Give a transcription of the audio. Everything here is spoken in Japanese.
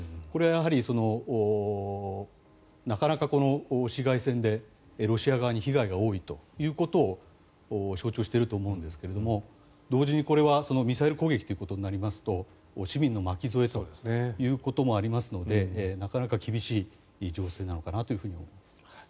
これ、なかなか市街戦でロシア側に被害が多いということを象徴していると思うんですが同時にこれはミサイル攻撃ということになりますと市民の巻き添えということもありますのでなかなか厳しい情勢なのかなと思います。